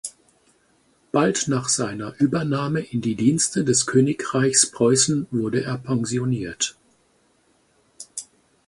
Bald nach seiner Übernahme in die Dienste des Königreichs Preußen wurde er pensioniert.